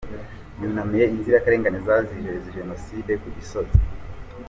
Yunamiye inzirakarengane za Jenoside ku Gisozi